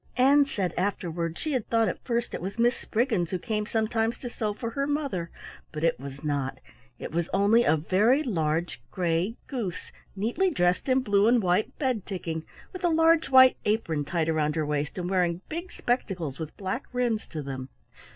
Ann said afterward she had thought at first it was a Miss Spriggins who came sometimes to sew for her mother, but it was not; it was only a very large gray goose neatly dressed in blue and white bed ticking, with a large white apron tied round her waist and wearing big spectacles with black rims to them.